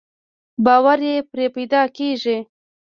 باور يې پرې پيدا کېږي.